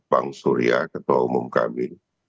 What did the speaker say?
bang surya ketua umum kami